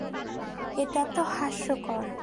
এটা তো হাস্যকর!